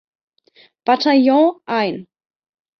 Bataillon ein.